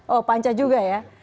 oh panca juga ya